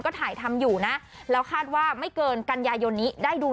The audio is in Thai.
ก็ถ่ายทำอยู่นะแล้วคาดว่าไม่เกินกันยายนนี้ได้ดู